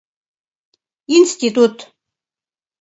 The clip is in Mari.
Институт...